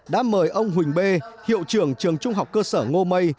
đã mời ông huỳnh b hiệu trưởng trường trung học cơ sở ngô mây